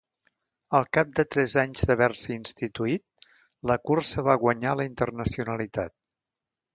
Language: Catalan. Al cap de tres anys d'haver-se instituït, la cursa va guanyar la internacionalitat.